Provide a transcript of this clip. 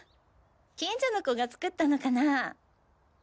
近所の子が作ったのかなぁ。